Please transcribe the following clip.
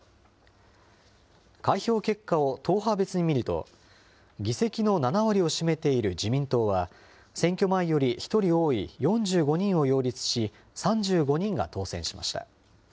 開票結果を党派別に見ると、議席の７割を占めている自民党は、選挙前より１人多い、４５人を擁立し、３５人が当選しました。